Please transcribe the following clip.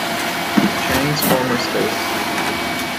Chang's former space.